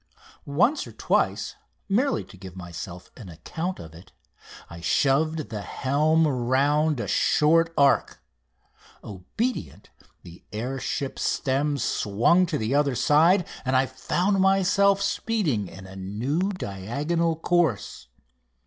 Once or twice, merely to give myself an account of it, I shoved the helm around a short arc. Obedient, the air ship's stem swung to the other side, and I found myself speeding in a new diagonal course.